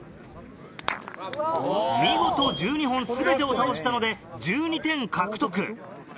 見事１２本全てを倒したので１２点獲得。